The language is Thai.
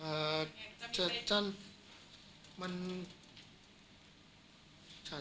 มีคนเพื่อนจะจัดคำสอบได้ครับ